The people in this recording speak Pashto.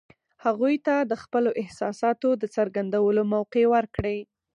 هغوی ته د خپلو احساساتو د څرګندولو موقع ورکړئ.